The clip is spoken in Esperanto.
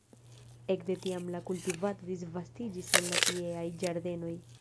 Ekde tiam la kultivado disvastiĝis en la tieaj ĝardenoj.